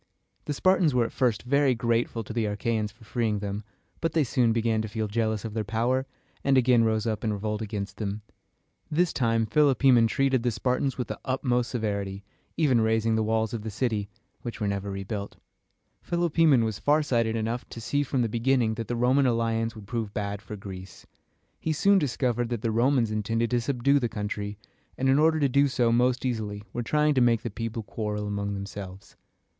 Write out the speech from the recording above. The Spartans were at first very grateful to the Achæans for freeing them, but they soon began to feel jealous of their power, and again rose up in revolt against them. This time Philopoemen treated the Spartans with the utmost severity, even razing the walls of the city, which were never rebuilt. Philopoemen was farsighted enough to see from the beginning that the Roman alliance would prove bad for Greece. He soon discovered that the Romans intended to subdue the country, and in order to do so most easily were trying to make the people quarrel among themselves.